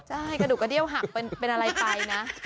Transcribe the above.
ใช่กระดูกกระเดี้ยวหักเป็นอะไรไปนะ